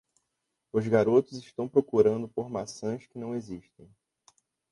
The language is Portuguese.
Os garotos estão procurando por maçãs que não existem.